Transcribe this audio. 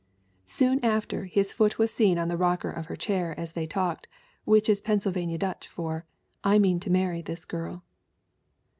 Soon after, his foot was seen on the rocker of her chair as they talked which is Pennsylvania Dutch for 'I mean to marry this girl!'